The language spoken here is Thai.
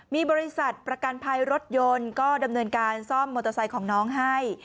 มีบริษัทประกันภัยรถยนต์ก็ดำเนินการซ่อมมอเตอร์ไซค์ของน้องให้